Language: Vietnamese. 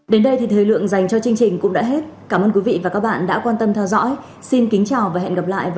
hãy đăng ký kênh để ủng hộ kênh của mình nhé